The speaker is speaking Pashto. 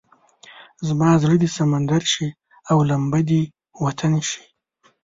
زما زړه دې سمندر شي او لمبه دې وطن شي.